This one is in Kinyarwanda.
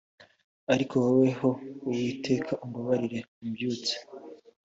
ariko wowe ho uwiteka umbabarire umbyutse